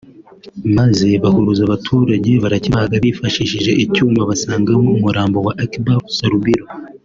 maze bahuruza abaturage barakibaga bifashishije icyuma basangamo umurambo wa Akbar Salubiro